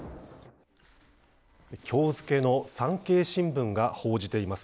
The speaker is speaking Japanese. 今日付けの産経新聞が報じています。